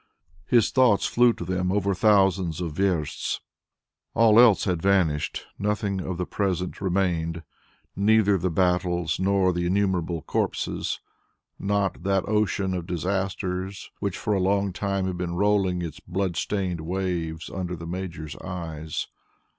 His thoughts flew to them over thousands of versts. All else had vanished; nothing of the present remained, neither the battles, nor the innumerable corpses, nor that ocean of disasters which for a long time had been rolling its blood stained waves under the Major's eyes.